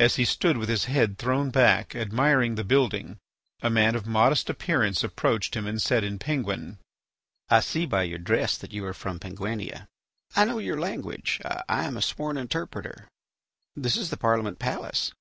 As he stood with his head thrown back admiring the building, a man of modest appearance approached him and said in Penguin: "I see by your dress that you are from Penguinia. I know your language; I am a sworn interpreter. This is the Parliament palace.